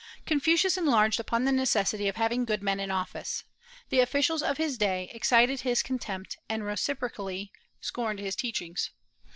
Confucius enlarged upon the necessity of having good men in office. The officials of his day excited his contempt, and reciprocally scorned his teachings.